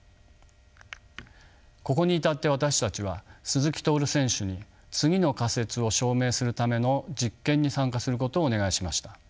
ここに至って私たちは鈴木徹選手に次の仮説を証明するための実験に参加することをお願いしました。